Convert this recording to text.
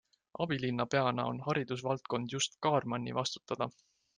Abilinnapeana on haridusvaldkond just Kaarmanni vastutada.